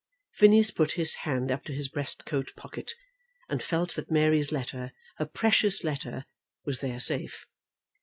Phineas put his hand up to his breastcoat pocket, and felt that Mary's letter, her precious letter, was there safe.